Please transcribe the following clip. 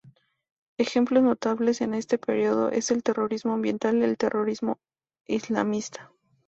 Ejemplos notables en este período es el terrorismo ambiental y el terrorismo islamista.